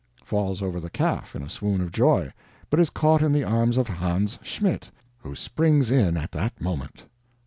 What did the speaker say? Falls over the calf in a swoon of joy, but is caught in the arms of Hans Schmidt, who springs in at that moment.